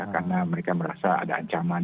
karena mereka merasa ada ancaman